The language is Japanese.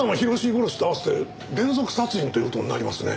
殺しと合わせて連続殺人という事になりますね。